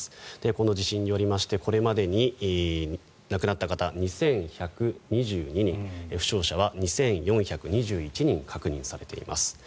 この地震によりましてこれまでに亡くなった方２１２２人負傷者は２４２１人確認されています。